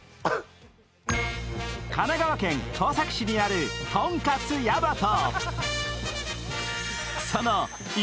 神奈川県川崎市にあるとんかつやまと。